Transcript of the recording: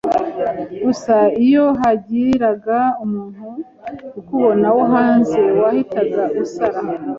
gusa iyo hagiraga umuntu ukubona wo hanze wahitaga usara